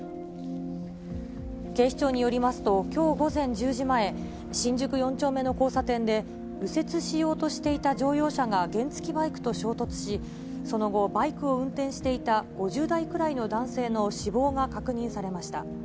警視庁によりますと、きょう午前１０時前、新宿四丁目の交差点で、右折しようとしていた乗用車が原付バイクと衝突し、その後、バイクを運転していた５０代くらいの男性の死亡が確認されました。